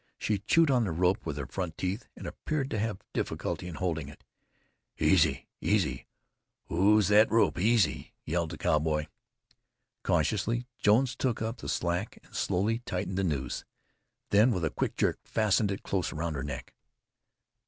She chewed on the rope with her front teeth and appeared to have difficulty in holding it. "Easy! Easy! Ooze thet rope! Easy!" yelled the cowboy. Cautiously Jones took up the slack and slowly tightened the nose, then with a quick jerk, fastened it close round her neck.